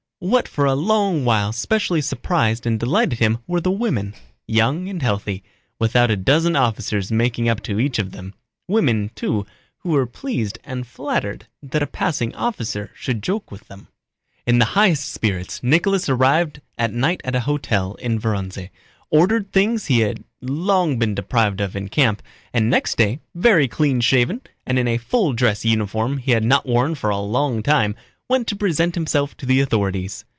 What for a long while specially surprised and delighted him were the women, young and healthy, without a dozen officers making up to each of them; women, too, who were pleased and flattered that a passing officer should joke with them. In the highest spirits Nicholas arrived at night at a hotel in Vorónezh, ordered things he had long been deprived of in camp, and next day, very clean shaven and in a full dress uniform he had not worn for a long time, went to present himself to the authorities.